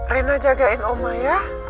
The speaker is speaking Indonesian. rena jagain oma ya